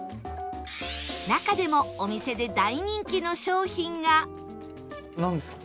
中でもお店で大人気の商品がなんですか？